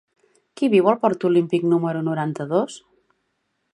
Qui viu al parc del Port Olímpic número noranta-dos?